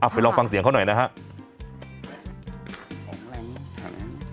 ไปลองฟังเสียงเขาหน่อยนะฮะ